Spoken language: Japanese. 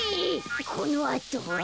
このあとは？